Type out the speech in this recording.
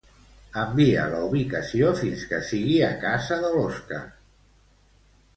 Envia la ubicació fins que sigui a casa de l'Òscar.